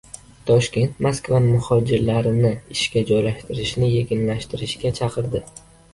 Toshkent Moskvani muhojirlarni ishga joylashtirishni yengillashtirishga chaqirdi